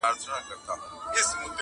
پر تاخچو، پر صندوقونو پر کونجونو!.